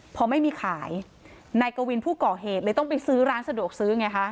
พอไม่มีขายนายกวินผู้ก่อเหตุเลยต้องไปซื้อร้านสะดวกซื้อไงคะ